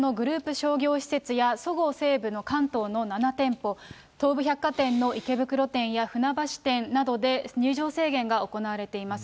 商業施設やそごう・西武の関東の７店舗、東武百貨店の池袋店や船橋店などで入場制限が行われています。